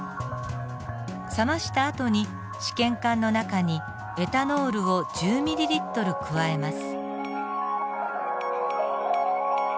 冷ましたあとに試験官の中にエタノールを１０ｍＬ加えます。